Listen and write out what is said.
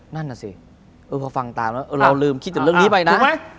นั่นน่ะสิพอฟังตามแล้วเราลืมคิดถึงเรื่องนี้ไปนะ